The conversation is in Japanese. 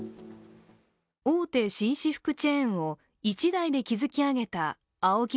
大手紳士服チェーンを一代で築き上げたＡＯＫＩ